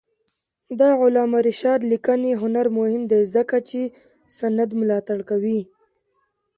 د علامه رشاد لیکنی هنر مهم دی ځکه چې سند ملاتړ کوي.